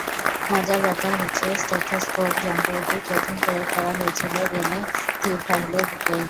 মজার ব্যাপার হচ্ছে, স্টেথোস্কোপ যন্ত্রটি প্রথম প্রয়োগ করা হয়েছিল রেনে থিওফাইলের বুকেই।